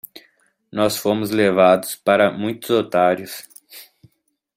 Nós fomos levados para muitos otários!